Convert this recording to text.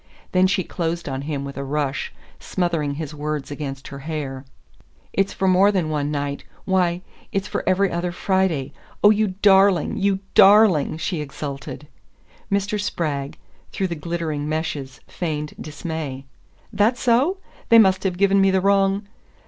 Then she closed on him with a rush, smothering his words against her hair. "It's for more than one night why, it's for every other Friday! Oh, you darling, you darling!" she exulted. Mr. Spragg, through the glittering meshes, feigned dismay. "That so? They must have given me the wrong